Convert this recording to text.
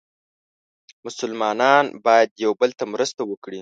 مسلمانان باید یو بل ته مرسته وکړي.